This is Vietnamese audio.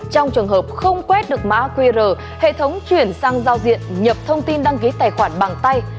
trong trường hợp không quét được mã qr hệ thống chuyển sang giao diện nhập thông tin đăng ký tài khoản bằng tay